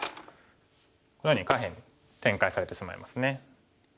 このように下辺に展開されてしまいますね。